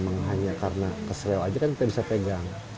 memang hanya karena kesel aja kan kita bisa pegang